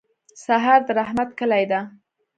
سهار د رحمت کلي ده.